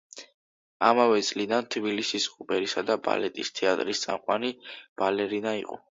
ამავე წლიდან თბილისის ოპერისა და ბალეტის თეატრის წამყვანი ბალერინა იყო.